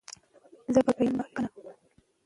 زه به بیا دا لیکنه ونه لولم.